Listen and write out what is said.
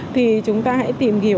thì chúng ta hãy tìm hiểu